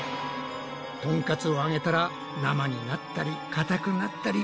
トンカツを揚げたら生になったりかたくなったり。